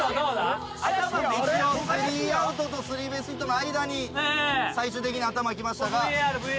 一応３アウトと３ベースヒットの間に最終的に頭来ましたが。